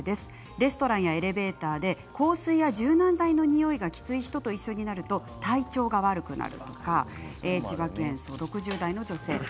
レストランやエレベーターで香水や柔軟剤の匂いがきつい人と一緒になると体調が悪くなるとか千葉県の方６０代の方です。